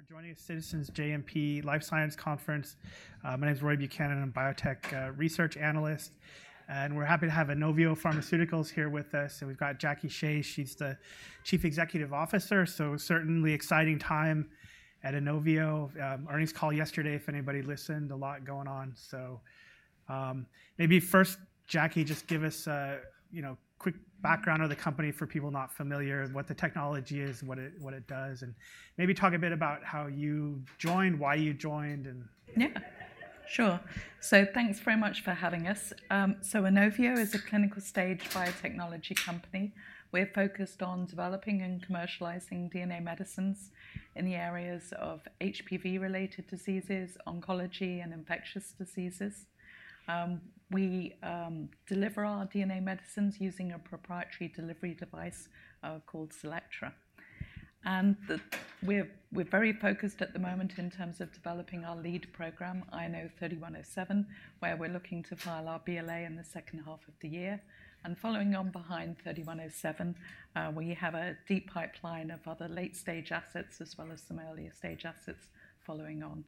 Everybody again for joining us, Citizens JMP Life Sciences Conference. My name is Roy Buchanan, I'm a biotech research analyst, and we're happy to have Inovio Pharmaceuticals here with us. So we've got Jackie Shea, she's the Chief Executive Officer. So certainly exciting time at Inovio. Earnings call yesterday, if anybody listened, a lot going on. So maybe first, Jackie, just give us a, you know, quick background of the company for people not familiar, what the technology is, and what it, what it does, and maybe talk a bit about how you joined, why you joined, and- Yeah. Sure. So thanks very much for having us. So Inovio is a clinical-stage biotechnology company. We're focused on developing and commercializing DNA medicines in the areas of HPV-related diseases, oncology, and infectious diseases. We deliver our DNA medicines using a proprietary delivery device called CELLECTRA. And we're very focused at the moment in terms of developing our lead program, INO-3107, where we're looking to file our BLA in the second half of the year. And following on behind 3107, we have a deep pipeline of other late-stage assets, as well as some earlier-stage assets following on.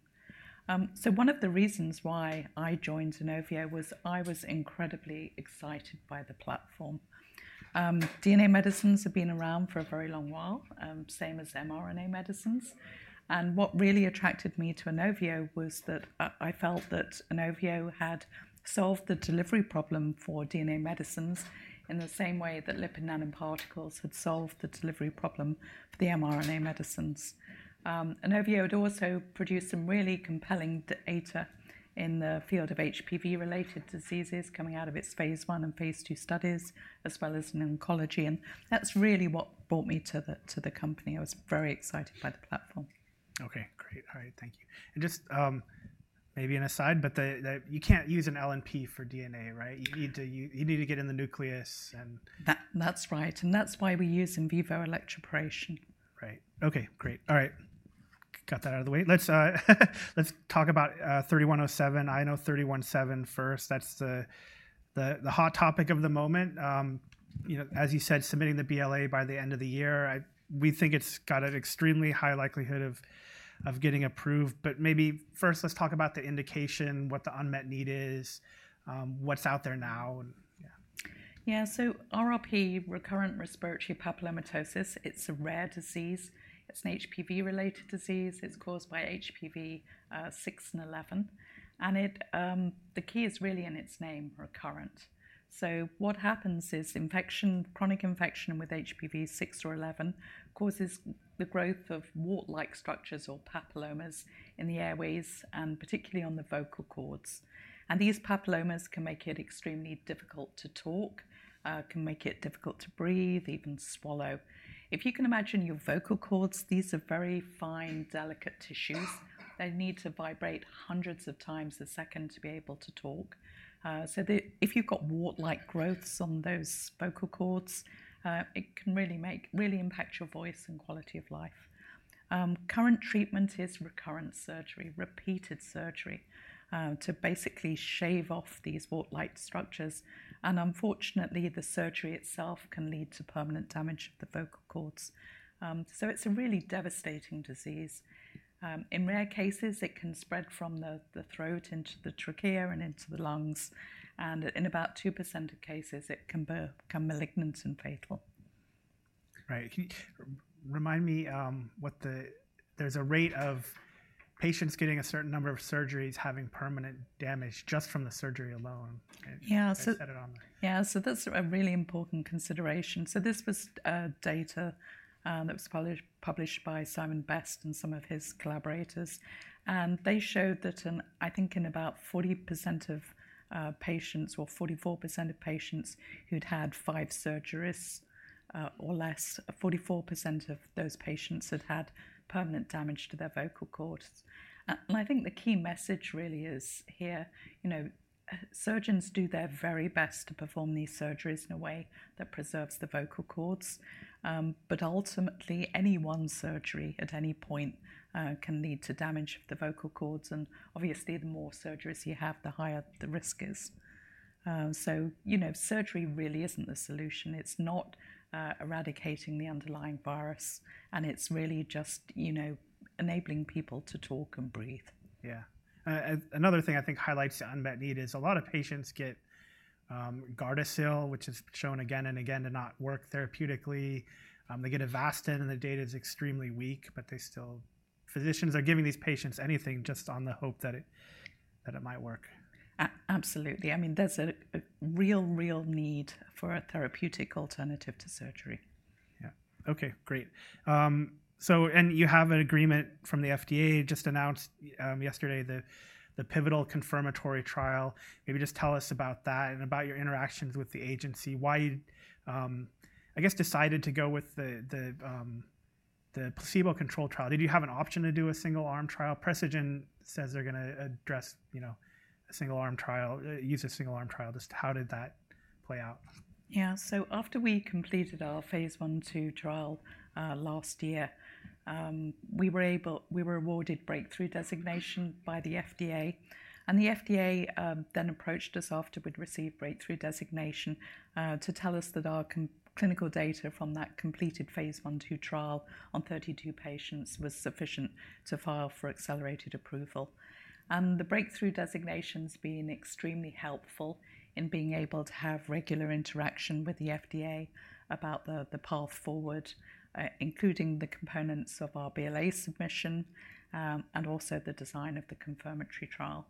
So one of the reasons why I joined Inovio was I was incredibly excited by the platform. DNA medicines have been around for a very long while, same as mRNA medicines. What really attracted me to Inovio was that, I felt that Inovio had solved the delivery problem for DNA medicines, in the same way that lipid nanoparticles had solved the delivery problem for the mRNA medicines. Inovio had also produced some really compelling data in the field of HPV-related diseases coming out of its phase I and phase II studies, as well as in oncology. That's really what brought me to the company. I was very excited by the platform. Okay, great. All right, thank you. And just maybe an aside, but you can't use an LNP for DNA, right? You need to get in the nucleus, and- That, that's right, and that's why we use in vivo electroporation. Right. Okay, great. All right. Got that out of the way. Let's talk about 3107, INO-3107 first. That's the hot topic of the moment. You know, as you said, submitting the BLA by the end of the year. We think it's got an extremely high likelihood of getting approved, but maybe first, let's talk about the indication, what the unmet need is, what's out there now, and yeah. Yeah. So RRP, recurrent respiratory papillomatosis, it's a rare disease. It's an HPV-related disease. It's caused by HPV, 6 and 11, and it, the key is really in its name, recurrent. So what happens is infection, chronic infection with HPV 6 or 11, causes the growth of wart-like structures or papillomas in the airways, and particularly on the vocal cords. And these papillomas can make it extremely difficult to talk, can make it difficult to breathe, even swallow. If you can imagine your vocal cords, these are very fine, delicate tissues. They need to vibrate hundreds of times a second to be able to talk. So if you've got wart-like growths on those vocal cords, it can really impact your voice and quality of life. Current treatment is recurrent surgery, repeated surgery, to basically shave off these wart-like structures, and unfortunately, the surgery itself can lead to permanent damage of the vocal cords. So it's a really devastating disease. In rare cases, it can spread from the throat into the trachea and into the lungs, and in about 2% of cases, it can become malignant and fatal. Right. Can you remind me, what the... There's a rate of patients getting a certain number of surgeries, having permanent damage just from the surgery alone. Yeah, so- You said it on the- Yeah, so that's a really important consideration. So this was data that was published by Simon Best and some of his collaborators. And they showed that in, I think in about 40% of patients or 44% of patients who'd had 5 surgeries or less, 44% of those patients had had permanent damage to their vocal cords. And I think the key message really is here, you know, surgeons do their very best to perform these surgeries in a way that preserves the vocal cords. But ultimately, any one surgery at any point can lead to damage of the vocal cords, and obviously, the more surgeries you have, the higher the risk is. So you know, surgery really isn't the solution. It's not eradicating the underlying virus, and it's really just, you know, enabling people to talk and breathe. Yeah. And another thing I think highlights the unmet need is, a lot of patients get, Gardasil, which is shown again and again to not work therapeutically. They get Avastin, and the data is extremely weak, but they still, physicians are giving these patients anything just on the hope that it, that it might work. Absolutely. I mean, there's a real, real need for a therapeutic alternative to surgery. Yeah. Okay, great. So and you have an agreement from the FDA, just announced yesterday, the pivotal confirmatory trial. Maybe just tell us about that and about your interactions with the agency. Why you, I guess, decided to go with the placebo-controlled trial, did you have an option to do a single-arm trial? Precigen says they're gonna address, you know, a single-arm trial, use a single-arm trial. Just how did that play out? Yeah. So, after we completed our phase I/II trial last year, we were awarded breakthrough designation by the FDA. The FDA then approached us after we'd received breakthrough designation to tell us that our clinical data from that completed phase I/II trial on 32 patients was sufficient to file for accelerated approval. The breakthrough designation's been extremely helpful in being able to have regular interaction with the FDA about the path forward, including the components of our BLA submission, and also the design of the confirmatory trial.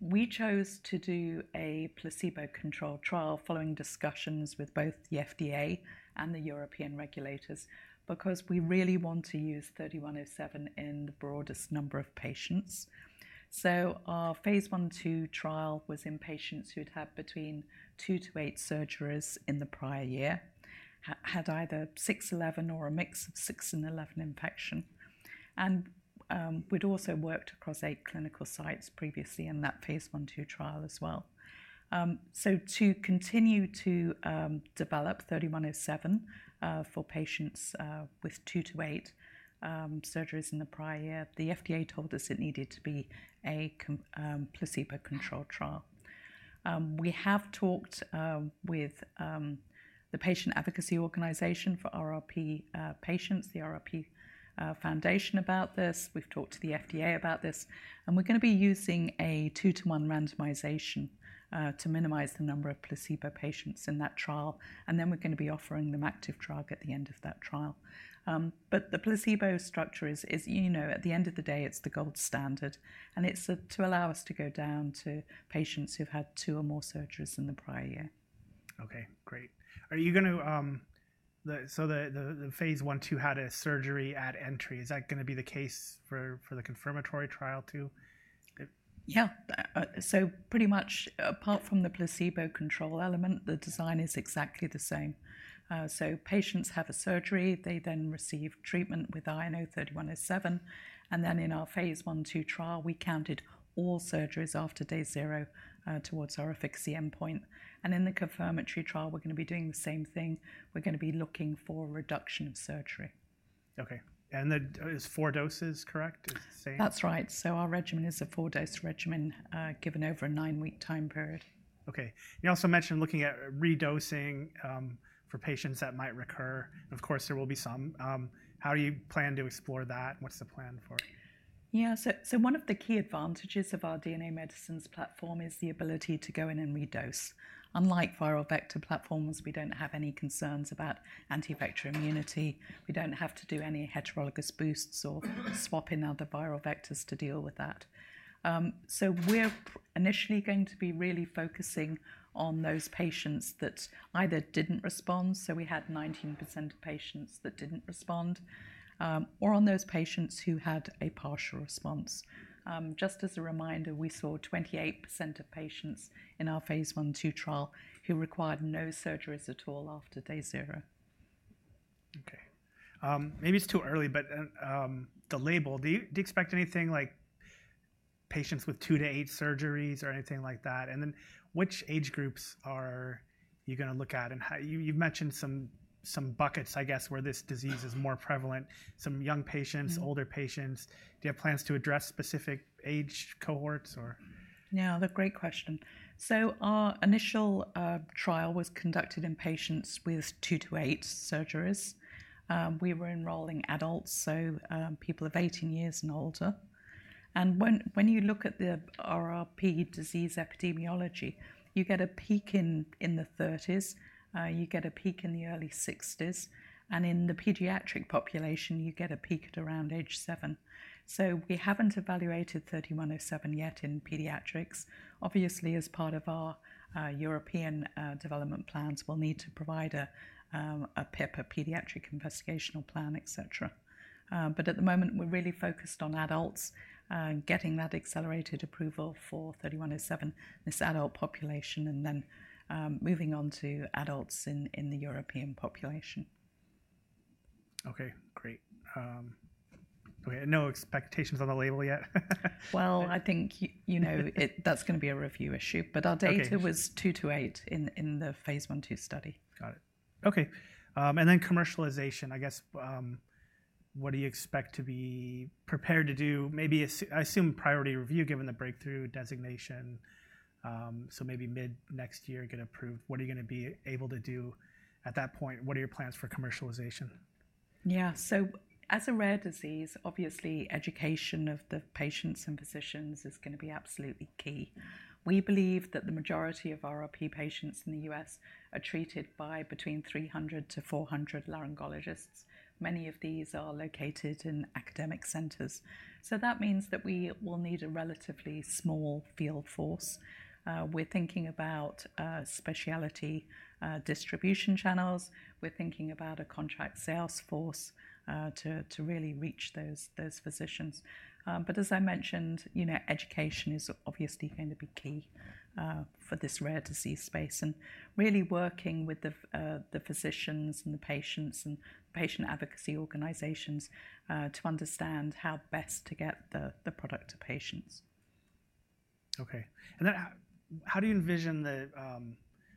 We chose to do a placebo-controlled trial following discussions with both the FDA and the European regulators, because we really want to use 3107 in the broadest number of patients. So our phase I/II trial was in patients who'd had between 2-8 surgeries in the prior year, had either 6, 11, or a mix of 6 and 11 infection. We'd also worked across 8 clinical sites previously in that phase I/II trial as well. So to continue to develop 3107 for patients with 2-8 surgeries in the prior year, the FDA told us it needed to be a placebo-controlled trial. We have talked with the patient advocacy organization for RRP patients, the RRP Foundation, about this, we've talked to the FDA about this, and we're gonna be using a 2-to-1 randomization to minimize the number of placebo patients in that trial, and then we're gonna be offering them active drug at the end of that trial. But the placebo structure is, you know, at the end of the day, it's the gold standard, and it's to allow us to go down to patients who've had two or more surgeries in the prior year. Okay, great. Are you going to... So the phase I/II had a surgery at entry, is that gonna be the case for the confirmatory trial, too? Yeah. So pretty much apart from the placebo control element, the design is exactly the same. So patients have a surgery, they then receive treatment with INO-3107, and then in our phase I/II trial, we counted all surgeries after day zero towards our efficacy endpoint. In the confirmatory trial, we're gonna be doing the same thing. We're gonna be looking for a reduction of surgery. Okay. And the, it's four doses, correct? It's the same? That's right. So our regimen is a four-dose regimen, given over a nine-week time period. Okay. You also mentioned looking at re-dosing, for patients that might recur. Of course, there will be some. How do you plan to explore that, and what's the plan for it? Yeah. So one of the key advantages of our DNA medicines platform is the ability to go in and re-dose. Unlike viral vector platforms, we don't have any concerns about anti-vector immunity. We don't have to do any heterologous boosts or swap in other viral vectors to deal with that. So we're initially going to be really focusing on those patients that either didn't respond, so we had 19% of patients that didn't respond, or on those patients who had a partial response. Just as a reminder, we saw 28% of patients in our phase I/II trial who required no surgeries at all after day zero. Okay. Maybe it's too early, but, the label, do you, do you expect anything like patients with 2-8 surgeries or anything like that? And then which age groups are you gonna look at, and how... You've mentioned some buckets, I guess, where this disease is more prevalent, some young patients- Mm-hmm. older patients. Do you have plans to address specific age cohorts or? Yeah, another great question. So, our initial trial was conducted in patients with 2-8 surgeries. We were enrolling adults, so people of 18 years and older. And when you look at the RRP disease epidemiology, you get a peak in the 30s, you get a peak in the early 60s, and in the pediatric population, you get a peak at around age 7. So, we haven't evaluated 3107 yet in pediatrics. Obviously, as part of our European development plans, we'll need to provide a PIP, a Pediatric Investigational Plan, et cetera. But at the moment, we're really focused on adults, getting that accelerated approval for 3107, this adult population, and then moving on to adults in the European population. Okay, great. Okay, no expectations on the label yet? Well, I think you know, that's gonna be a review issue. Okay. Our data was 2-8 in the phase I/II study. Got it. Okay, and then commercialization, I guess, what do you expect to be prepared to do? Maybe I assume priority review, given the Breakthrough Designation, so maybe mid next year, get approved. What are you gonna be able to do at that point? What are your plans for commercialization? Yeah. So as a rare disease, obviously, education of the patients and physicians is gonna be absolutely key. We believe that the majority of RRP patients in the U.S. are treated by between 300-400 laryngologists. Many of these are located in academic centers. So that means that we will need a relatively small field force. We're thinking about, specialty, distribution channels. We're thinking about a contract sales force, to really reach those physicians. But as I mentioned, you know, education is obviously going to be key, for this rare disease space, and really working with the physicians and the patients and patient advocacy organizations, to understand how best to get the product to patients.... Okay. And then how do you envision the,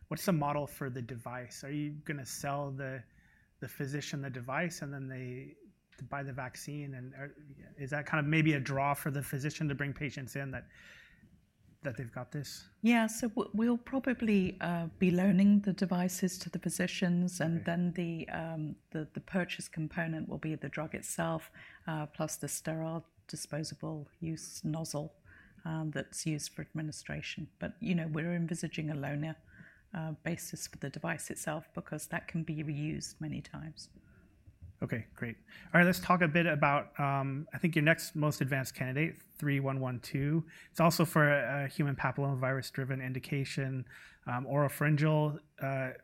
what's the model for the device? Are you gonna sell the physician the device, and then they buy the vaccine, and is that kind of maybe a draw for the physician to bring patients in, that they've got this? Yeah, so we'll probably be loaning the devices to the physicians- Okay. And then the purchase component will be the drug itself, plus the sterile, disposable use nozzle, that's used for administration. But, you know, we're envisaging a loaner basis for the device itself, because that can be reused many times. Okay, great. All right, let's talk a bit about, I think your next most advanced candidate, 3112. It's also for a human papillomavirus-driven indication, oropharyngeal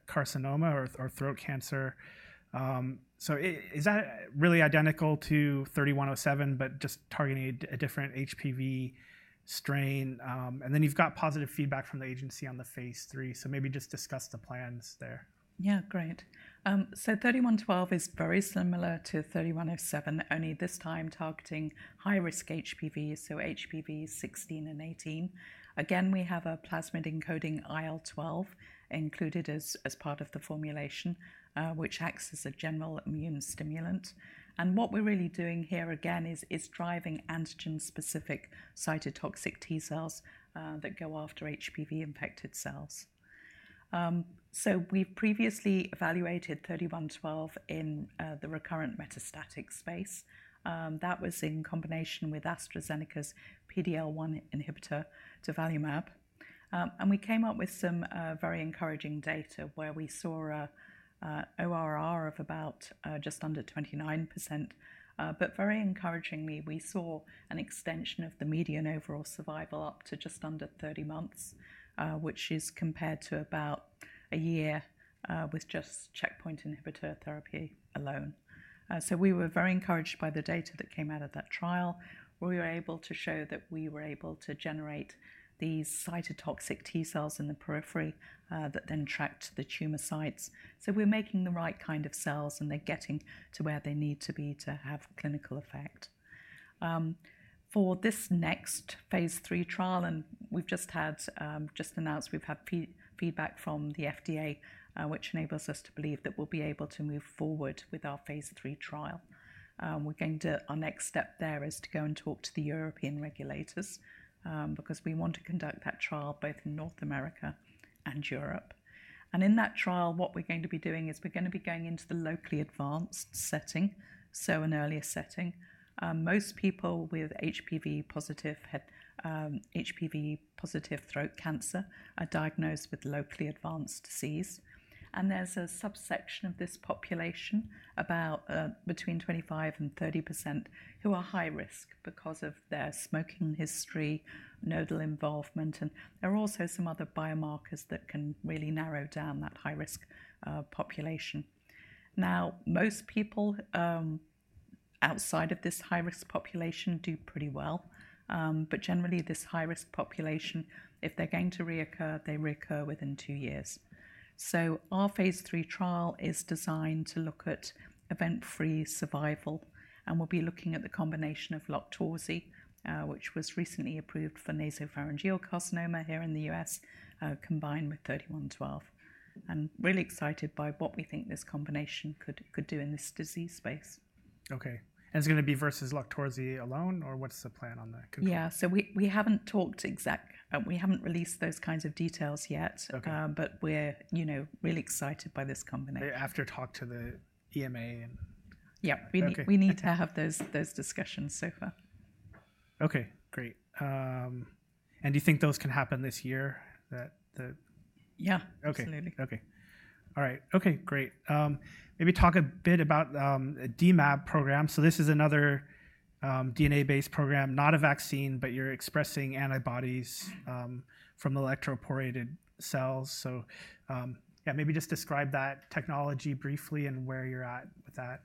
carcinoma or throat cancer. So is that really identical to 3107, but just targeting a different HPV strain? And then you've got positive feedback from the agency on the phase III, so maybe just discuss the plans there. Yeah, great. So 3112 is very similar to 3107, only this time targeting high-risk HPV, so HPV 16 and 18. Again, we have a plasmid encoding IL-12 included as part of the formulation, which acts as a general immune stimulant. And what we're really doing here again is driving antigen-specific cytotoxic T cells that go after HPV-infected cells. So, we've previously evaluated 3112 in the recurrent metastatic space. That was in combination with AstraZeneca's PD-L1 inhibitor, durvalumab. And we came up with some very encouraging data, where we saw an ORR of about just under 29%. But very encouragingly, we saw an extension of the median overall survival up to just under 30 months, which is compared to about 1 year with just checkpoint inhibitor therapy alone. So we were very encouraged by the data that came out of that trial, where we were able to show that we were able to generate these Cytotoxic T cells in the periphery, that then tracked the tumor sites. So we're making the right kind of cells, and they're getting to where they need to be to have clinical effect. For this next Phase III trial, and we've just announced we've had feedback from the FDA, which enables us to believe that we'll be able to move forward with our Phase III trial. We're going to... Our next step there is to go and talk to the European regulators, because we want to conduct that trial both in North America and Europe. In that trial, what we're going to be doing is, we're gonna be going into the locally advanced setting, so an earlier setting. Most people with HPV-positive head, HPV-positive throat cancer are diagnosed with locally advanced disease, and there's a subsection of this population, about, between 25% and 30%, who are high risk because of their smoking history, nodal involvement, and there are also some other biomarkers that can really narrow down that high-risk, population. Now, most people, outside of this high-risk population do pretty well, but generally, this high-risk population, if they're going to reoccur, they reoccur within two years. So, our phase III trial is designed to look at event-free survival, and we'll be looking at the combination of LOQTORZI, which was recently approved for nasopharyngeal carcinoma here in the U.S., combined with INO-3112. I'm really excited by what we think this combination could do in this disease space. Okay. And it's gonna be versus LOQTORZI alone, or what's the plan on that? Yeah. So, we haven't released those kinds of details yet. Okay. We're, you know, really excited by this combination. They have to talk to the EMA and- Yeah. Okay. We need to have those discussions, so far. Okay, great. Do you think those can happen this year, that the- Yeah. Okay. Absolutely. Okay. All right. Okay, great. Maybe talk a bit about the dMAb program. So this is another DNA-based program, not a vaccine, but you're expressing antibodies-... from electroporated cells. So, yeah, maybe just describe that technology briefly and where you're at with that.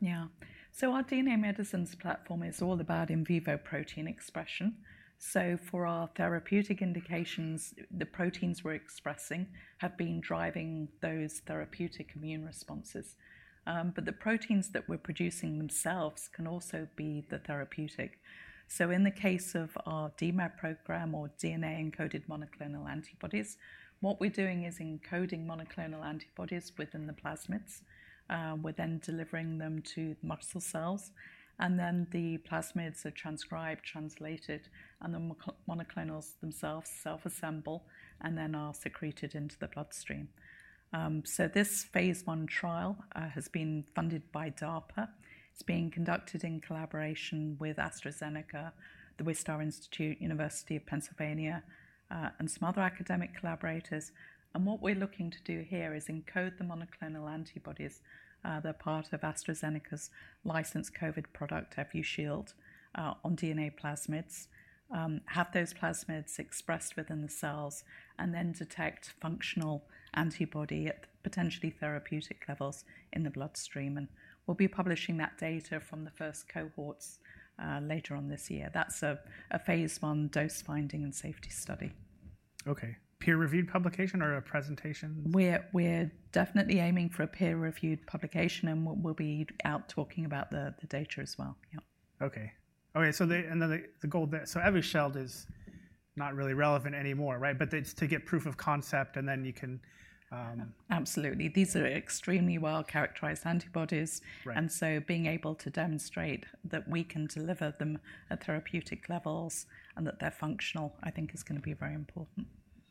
Yeah. So, our DNA medicines platform is all about in vivo protein expression. So, for our therapeutic indications, the proteins we're expressing have been driving those therapeutic immune responses. But the proteins that we're producing themselves can also be the therapeutic. So, in the case of our dMAb program, or DNA encoded monoclonal antibodies, what we're doing is encoding monoclonal antibodies within the plasmids. We're then delivering them to muscle cells, and then the plasmids are transcribed, translated, and the monoclonals themselves self-assemble and then are secreted into the bloodstream. So, this phase I trial has been funded by DARPA. It's being conducted in collaboration with AstraZeneca, the Wistar Institute, University of Pennsylvania, and some other academic collaborators. And what we're looking to do here is encode the monoclonal antibodies, they're part of AstraZeneca's licensed COVID product, Evusheld, on DNA plasmids. have those plasmids expressed within the cells and then detect functional antibody at potentially therapeutic levels in the bloodstream, and we'll be publishing that data from the first cohorts, later on this year. That's a phase I dose-finding and safety study.... Okay, peer-reviewed publication or a presentation? We're definitely aiming for a peer-reviewed publication, and we'll be out talking about the data as well. Yep. Okay. Okay, so the goal there, so Evusheld is not really relevant anymore, right? But it's to get proof of concept, and then you can, Absolutely. These are extremely well-characterized antibodies. Right. And so being able to demonstrate that we can deliver them at therapeutic levels and that they're functional, I think is gonna be very important.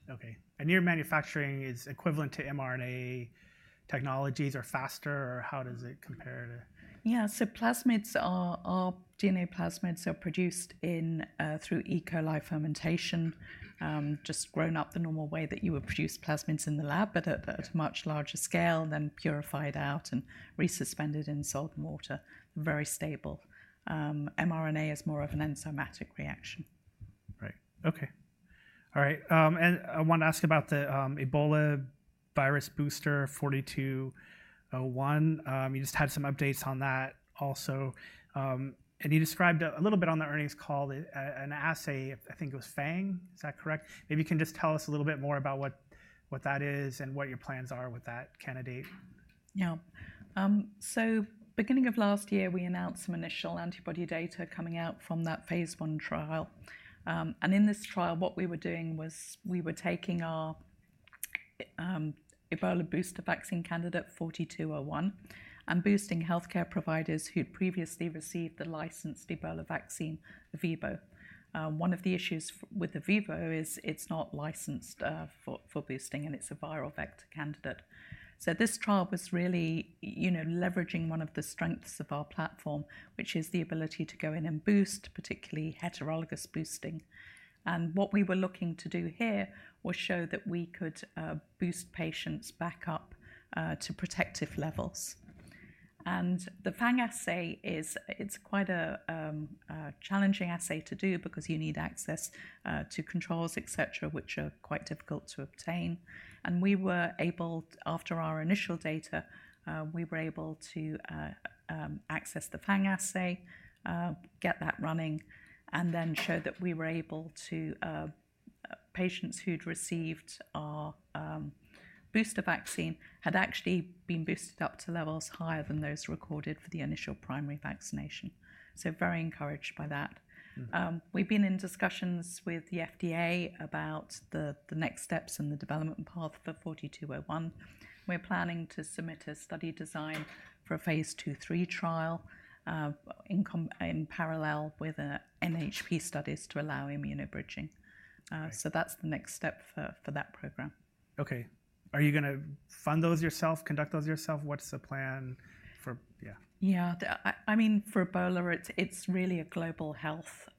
Okay. And your manufacturing is equivalent to mRNA technologies or faster, or how does it compare to? Yeah, so plasmids are DNA plasmids are produced in through E. coli fermentation, just grown up the normal way that you would produce plasmids in the lab, but at a much larger scale, then purified out and resuspended in salt water. Very stable. mRNA is more of an enzymatic reaction. Right. Okay. All right, and I want to ask about the Ebola virus booster, 4201. You just had some updates on that also. And you described a little bit on the earnings call, an assay, I think it was FANG, is that correct? Maybe you can just tell us a little bit more about what that is and what your plans are with that candidate. Yeah. So, beginning of last year, we announced some initial antibody data coming out from that phase I trial. And in this trial, what we were doing was we were taking our Ebola booster vaccine candidate, INO-4201, and boosting healthcare providers who'd previously received the licensed Ebola vaccine, Ervebo. One of the issues with the Ervebo is it's not licensed for boosting, and it's a viral vector candidate. So, this trial was really, you know, leveraging one of the strengths of our platform, which is the ability to go in and boost, particularly heterologous boosting. And what we were looking to do here was show that we could boost patients back up to protective levels. The FANG assay is, it's quite a challenging assay to do because you need access to controls, et cetera, which are quite difficult to obtain. We were able, after our initial data, to access the FANG assay, get that running, and then show that patients who'd received our booster vaccine had actually been boosted up to levels higher than those recorded for the initial primary vaccination. Very encouraged by that. Mm-hmm. We've been in discussions with the FDA about the next steps in the development path for INO-4201. We're planning to submit a study design for a Phase II/III trial in parallel with NHP studies to allow immunobridging. Right. That's the next step for that program. Okay. Are you gonna fund those yourself, conduct those yourself? What's the plan for... Yeah. Yeah. I mean, for Ebola, it's really a global health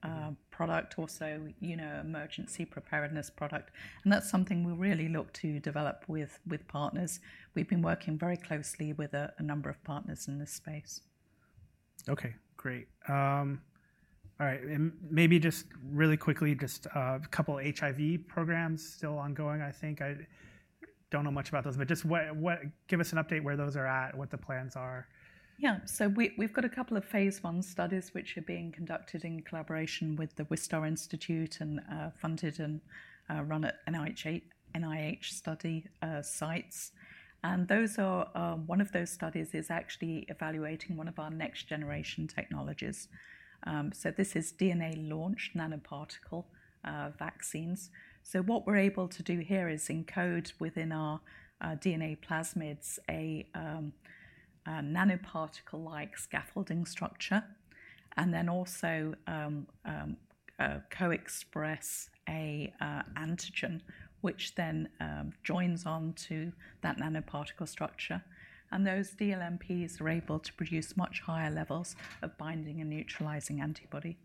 product or so, you know, emergency preparedness product, and that's something we really look to develop with partners. We've been working very closely with a number of partners in this space. Okay, great. All right, and maybe just really quickly, just, a couple HIV programs still ongoing, I think. I don't know much about those, but just where, where... Give us an update where those are at, what the plans are. Yeah. So, we, we've got a couple of phase I studies, which are being conducted in collaboration with the Wistar Institute and funded and run at NIH study sites. And those are one of those studies is actually evaluating one of our next-generation technologies. So, this is DNA-launched nanoparticle vaccines. So, what we're able to do here is encode within our DNA plasmids a nanoparticle-like scaffolding structure, and then also co-express an antigen, which then joins onto that nanoparticle structure. And those dLNPs are able to produce much higher levels of binding and neutralizing antibody.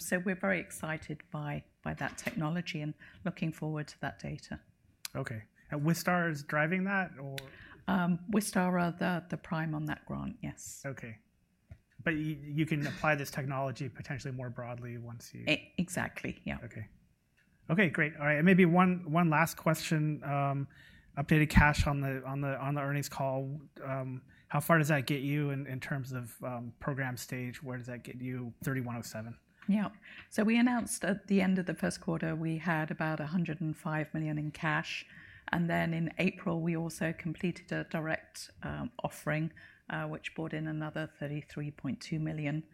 So, we're very excited by that technology and looking forward to that data. Okay. And Wistar is driving that or-? Wistar are the prime on that grant, yes. Okay. But you can apply this technology potentially more broadly once you- Exactly, yeah. Okay. Okay, great. All right, and maybe one last question. Updated cash on the earnings call, how far does that get you in terms of program stage? Where does that get you, INO-3107? Yeah. So, we announced at the end of the first quarter, we had about $105 million in cash, and then in April, we also completed a direct offering, which brought in another $33.2 million.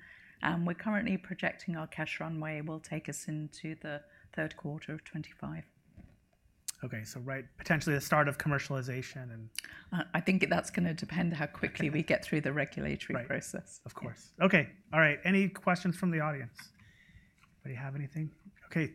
We're currently projecting our cash runway will take us into the third quarter of 2025. Okay, so right, potentially the start of commercialization and- I think that's gonna depend how quickly we get through the regulatory process. Right. Of course. Okay, all right. Any questions from the audience? Anybody have anything? Okay.